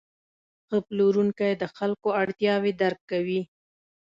ښه پلورونکی د خلکو اړتیاوې درک کوي.